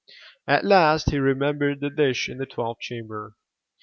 At last he remembered the dish in the twelfth chamber.